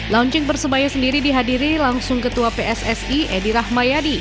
launching persebaya sendiri dihadiri langsung ketua pssi edi rahmayadi